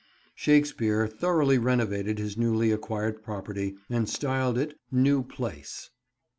Shakespeare thoroughly renovated his newly acquired property, and styled it "New Place."